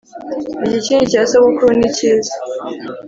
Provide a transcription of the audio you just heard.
igikingi cya sogokuru ni kiza